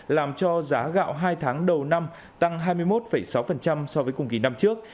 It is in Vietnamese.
làm cho giá gạo hai tháng đầu năm tăng hai mươi một sáu so với cùng kỳ năm trước